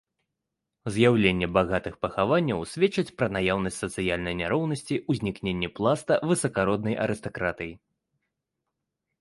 З'яўленне багатых пахаванняў сведчыць пра наяўнасць сацыяльнай няроўнасці, узнікненні пласта высакароднай арыстакратыі.